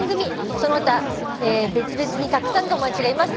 「その他別々にたくさんの友達がいます」